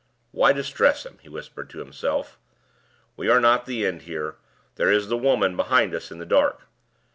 "Why distress him?" he whispered to himself. "We are not the end here: there is the Woman behind us in the dark.